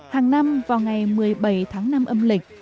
hàng năm vào ngày một mươi bảy tháng năm âm lịch